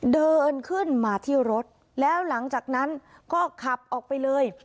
เดินขึ้นมาที่รถแล้วหลังจากนั้นก็ขับออกไปเลย